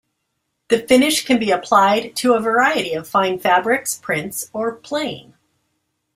The finish can be applied to a variety of fine fabrics, prints or plain.